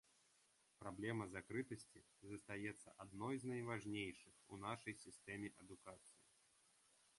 Праблема закрытасці застаецца адной з найважнейшых у нашай сістэме адукацыі.